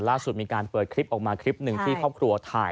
ล่าสุดมีการเปิดคลิปออกมาคลิปหนึ่งที่ครอบครัวถ่าย